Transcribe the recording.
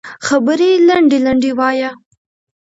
خبرې لنډې لنډې وایه